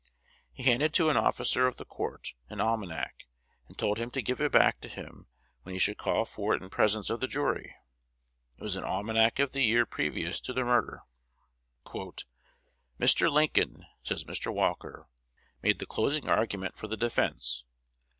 He handed to an officer of the court an almanac, and told him to give it back to him when he should call for it in presence of the jury. It was an almanac of the year previous to the murder. "Mr. Lincoln," says Mr. Walker, "made the closing argument for the defence.